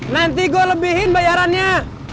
nanti gue lebihin bayarannya